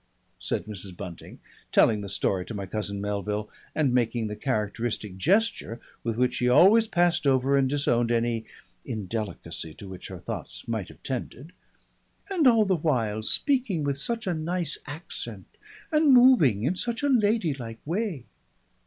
said Mrs. Bunting, telling the story to my cousin Melville and making the characteristic gesture with which she always passed over and disowned any indelicacy to which her thoughts might have tended. "And all the while speaking with such a nice accent and moving in such a ladylike way!"